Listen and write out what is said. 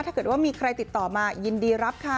ถ้าเกิดว่ามีใครติดต่อมายินดีรับค่ะ